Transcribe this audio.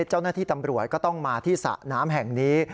เจ้าหน้าที่ตำรวจก็ต้องมาที่สระน้ำแห่งนี้